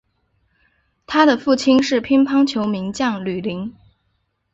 他的父亲是乒乓球名将吕林。